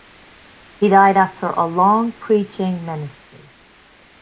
He died after a long preaching ministry.